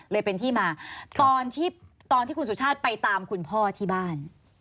เลยเป็นที่มาตอนที่ตอนที่คุณสุชาติไปตามคุณพ่อที่บ้าน